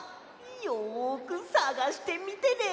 よくさがしてみてね！